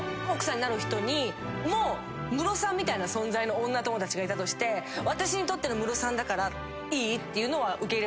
奥さんになる人にもムロさんみたいな存在の女友達がいたとして「私にとってのムロさんだからいい？」っていうのは。